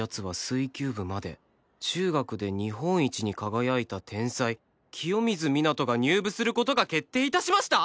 「中学で日本一に輝いた天才清水みなとが入部することが決定いたしました」！？